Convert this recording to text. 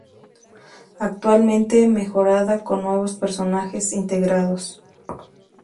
Actualmente mejorada con nuevos personajes integrados.